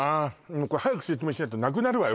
もうこれ早く説明しないとなくなるわよ